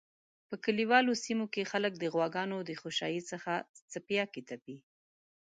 په کلیوالو سیمو کی خلک د غواګانو د خوشایی څخه څپیاکی تپی